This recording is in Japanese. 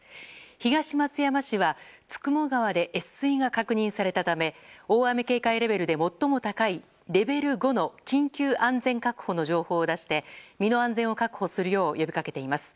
東松山市は九十九川で越水が確認されたため大雨警戒レベルで最も高いレベル５の緊急安全確保の情報を出して身の安全を確保するよう呼びかけています。